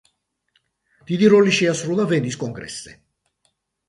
დიდი როლი შეასრულა ვენის კონგრესზე.